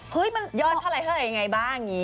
เฮ้ยมันยอดเพราะอะไรเห้ยยังไงบ้างอย่างนี้